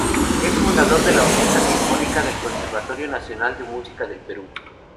Es fundador de la Orquesta Sinfónica del Conservatorio Nacional de Música del Perú.